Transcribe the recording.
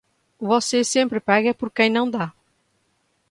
Você sempre paga por quem não dá.